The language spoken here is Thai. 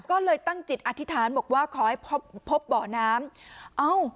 ก็เลยตั้งจิตอธิษฐานบอกว่าขอให้พบพบเบาะน้ำเอ้า